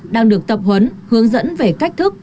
đang được tập huấn hướng dẫn về cách thức